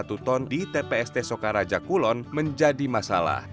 satu ton di tpst sokaraja kulon menjadi masalah